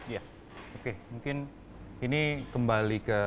ya oke mungkin ini kembali ke